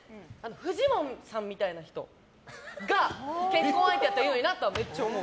フジモンさんみたいな人が結婚相手だったらいいなってめっちゃ思う。